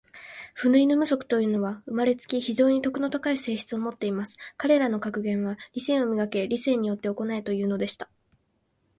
フウイヌム族というのは、生れつき、非常に徳の高い性質を持っています。彼等の格言は、『理性を磨け。理性によって行え。』というのでした。